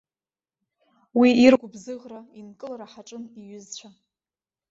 Уи иргәыбзыӷра, инкылара ҳаҿын иҩызцәа.